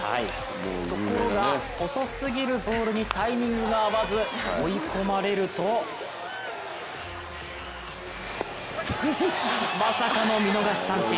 ところが遅すぎるボールにタイミングが合わず追い込まれるとまさかの見逃し三振。